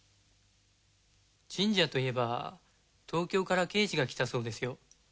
神社といえば東京から刑事が来たそうですよ。